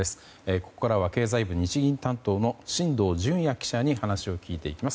ここからは経済部日銀担当の進藤潤耶記者に話を聞いていきます。